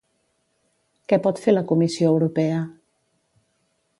Què pot fer la Comissió Europea?